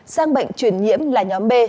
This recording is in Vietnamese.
sang bệnh truyền nhiễm là nhóm b